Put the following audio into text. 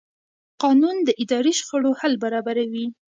قانون د اداري شخړو حل برابروي.